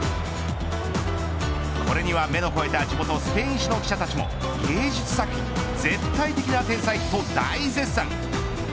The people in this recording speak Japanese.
これには目の肥えた地元スペイン紙の記者たちも芸術作品、絶対的な天才と大絶賛。